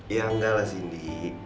ya enggak lah sindi